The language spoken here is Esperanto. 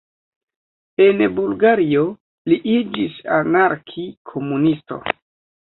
En Bulgario li iĝis anarki-komunisto.